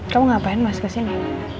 kamu ngapain mas kesini